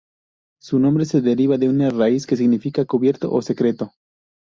Su nombre se deriva de una raíz que significa "cubierto" o "secreto".